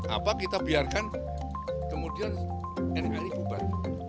apa kita biarkan kemudian nkri bubar